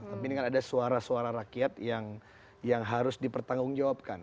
tapi ini kan ada suara suara rakyat yang harus dipertanggung jawabkan